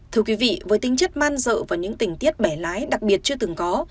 thưa quý vị với tính chất man dợ và những tình tiết bẻ lái đặc biệt chưa từng có